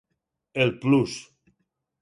El Plus!